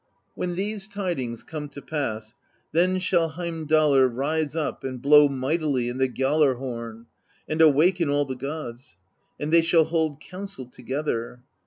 "When these tidings come to pass, then shall Heim dallr rise up and blow mightily in the Gjallar Horn, and awaken all the gods; and they shall hold council together.